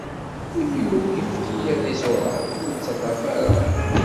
Imi ur ifki ara iẓuran, ur ittaṭṭaf ara.